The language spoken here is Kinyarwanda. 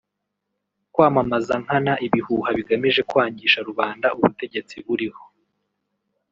kwamamaza nkana ibihuha bigamije kwangisha rubanda ubutegetsi buriho